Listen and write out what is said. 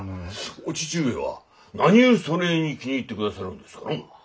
お父上は何ゅうそねえに気に入ってくださりょんですかの。